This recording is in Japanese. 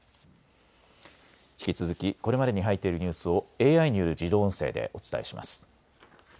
引き続きこれまでに入っているニュースをＡＩによる自動音声でお伝えします。